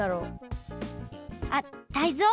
あっタイゾウ？